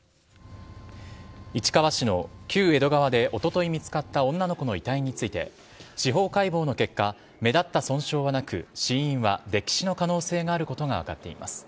市川市の旧江戸川でおととい見つかった女の子の遺体について司法解剖の結果目立った損傷はなく死因は溺死の可能性があることが分かっています。